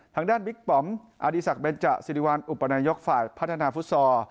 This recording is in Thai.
ทางด้านบิ๊กปอมอดีศักดิเบนจสิริวัลอุปนายกฝ่ายพัฒนาฟุตซอล